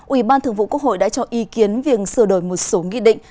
ủy ban thường vụ quốc hội đã cho ý kiến việc sửa đổi một số nghị định